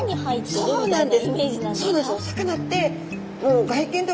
そうなんです。